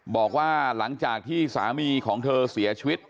บอกว่าหลังจากที่สามีของเธอเสียชีวิต